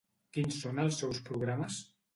Quins són els seus programes?